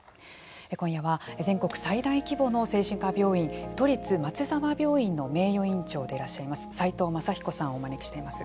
今夜は全国最大規模の精神科病院都立松沢病院の名誉院長でいらっしゃいます齋藤正彦さんをお招きしています。